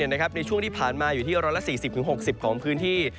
ในช่วงที่ผ่านมาอยู่ที่๑๔๐๖๐ของพื้นที่